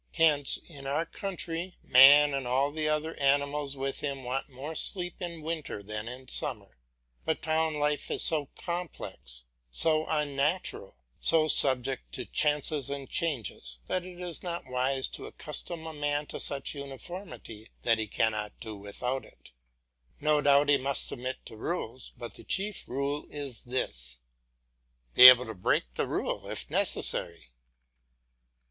Hence in our country man and all the other animals with him want more sleep in winter than in summer. But town life is so complex, so unnatural, so subject to chances and changes, that it is not wise to accustom a man to such uniformity that he cannot do without it. No doubt he must submit to rules; but the chief rule is this be able to break the rule if necessary.